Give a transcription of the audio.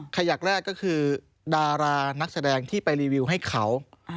ขยักแรกก็คือดารานักแสดงที่ไปรีวิวให้เขา